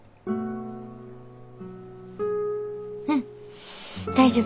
うん大丈夫。